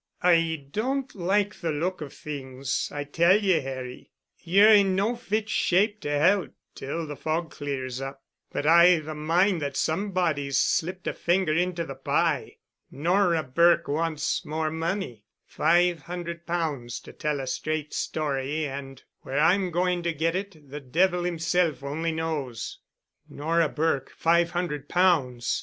"I don't like the look of things, I tell ye, Harry. Ye're in no fit shape to help 'til the fog clears up, but I've a mind that somebody's slipped a finger into the pie. Nora Burke wants more money—five hundred pounds to tell a straight story and where I'm going to get it—the devil himself only knows." "Nora Burke—five hundred pounds!"